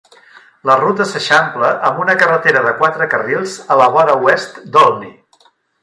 La ruta s'eixampla amb una carretera de quatre carrils a la vora oest d'Olney.